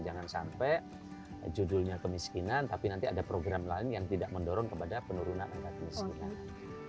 jangan sampai judulnya kemiskinan tapi nanti ada program lain yang tidak mendorong kepada penurunan angka kemiskinan